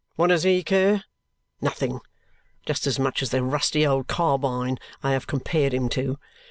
What does he care? Nothing. Just as much as the rusty old carbine I have compared him to.